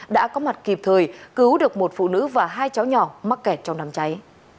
đã có mặt kịp thời cứu được một phụ nữ và hai cháu nhỏ mắc kẹt trong đám cháy